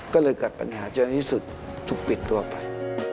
ก็เลยเกิดปัญหาเยอะที่สุดถูกปิดตัวไป